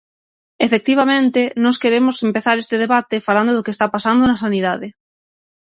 Efectivamente, nós queremos empezar este debate falando do que está pasando na sanidade.